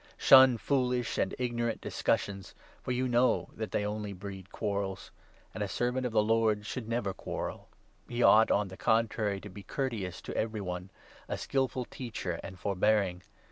Shun foolish and ignorant discussions, for you know that they 23 only breed quarrels ; and a Servant of the Lord should never 24 quarrel. He ought, on the contrary, to be courteous to every one, a skilful teacher, and forbearing.